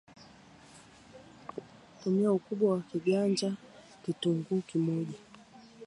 Tumia Ukubwa wa kiganja Kitunguu kimoja